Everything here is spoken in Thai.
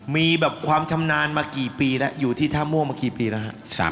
มีแบบความชำนาญมากี่ปีแล้วอยู่ที่ท่าม่วงมากี่ปีแล้วฮะ